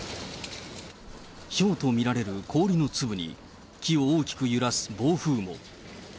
ひょうと見られる氷の粒に、木を大きく揺らす暴風も。